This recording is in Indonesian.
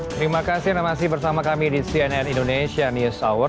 terima kasih anda masih bersama kami di cnn indonesia news hour